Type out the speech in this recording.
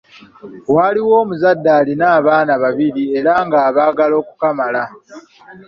Waaliwo omuzadde alina abaana babiri era nga abaagala okukamala.